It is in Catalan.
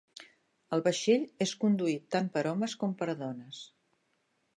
El vaixell és conduit tant per homes com per dones.